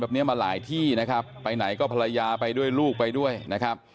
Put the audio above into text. เนี้ยมาหลายที่นะครับไปไหนก็ภรรยาไปด้วยลูกไปด้วยนะครับ